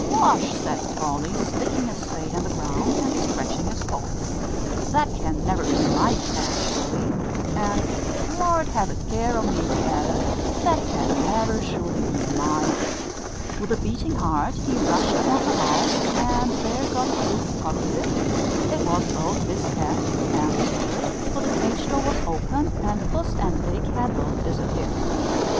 "Losh!" said Tolly, sticking his spade in the ground and scratching his poll, "that can never be my cat sure_ly_!" and "Lord, have a care o' me!" he added; "that can never surely be my bird." With a beating heart he rushed towards the house, and there got proof positive it was both his cat and his bird; for the cage door was open, and puss and Dick had both disappeared.